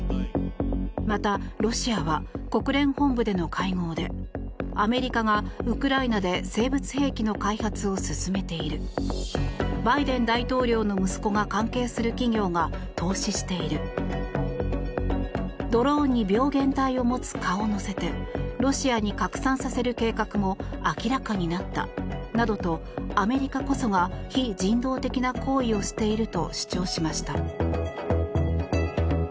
また、ロシアは国連本部での会合でアメリカが、ウクライナで生物兵器の開発を進めているバイデン大統領の息子が関係する企業が投資しているドローンに病原体を持つ蚊を載せてロシアに拡散させる計画も明らかになったなどとアメリカこそが非人道的な行為をしていると主張しました。